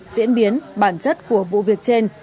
diễn biến bản chất của vụ việc trên